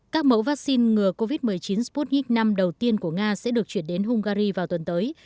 các mẫu vaccine ngừa covid một mươi chín sputnik v đầu tiên của nga sẽ được chuyển đến hungary vào tuần tới